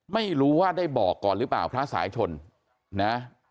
ไม่รู้ว่าได้บอกก่อนหรือเปล่าพระสายชนนะ